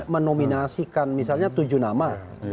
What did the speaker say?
menominasikan misalnya tujuh nama